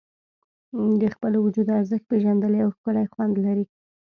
د خپل وجود ارزښت پېژندل یو ښکلی خوند لري.